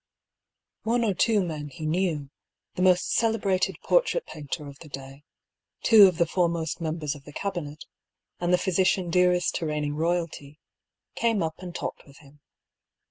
One or two men he knew, the most celebrated portrait painter of the day, two of the foremost mem bers of the Cabinet, and the physician dearest to reign ing royalty, came up and talked with him.